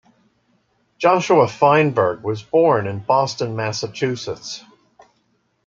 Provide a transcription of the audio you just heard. Joshua Fineberg was born in Boston, Massachusetts.